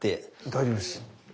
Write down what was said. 大丈夫です。